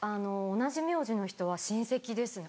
同じ苗字の人は親戚ですね